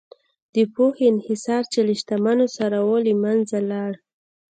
د پوهې انحصار چې له شتمنو سره و، له منځه لاړ.